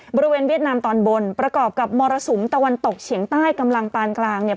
เวียดนามตอนบนประกอบกับมรสุมตะวันตกเฉียงใต้กำลังปานกลางเนี่ย